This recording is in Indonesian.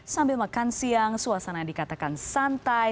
sambil makan siang suasana yang dikatakan santai